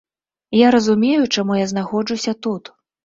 Я разумею, чаму я знаходжуся тут.